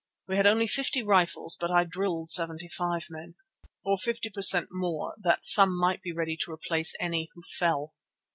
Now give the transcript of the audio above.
We had only fifty rifles but I drilled seventy five men, or fifty per cent. more, that some might be ready to replace any who fell.